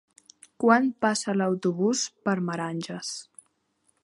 Quan passa l'autobús per Meranges?